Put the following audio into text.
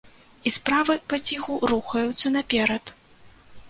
І справы паціху рухаюцца наперад.